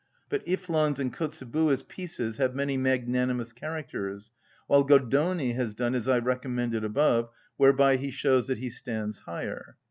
But Iffland's and Kotzebue's pieces have many magnanimous characters; while Goldoni has done as I recommended above, whereby he shows that he stands higher.